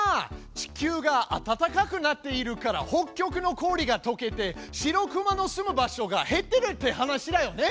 地球が暖かくなっているから北極の氷がとけて白くまの住む場所が減ってるって話だよね。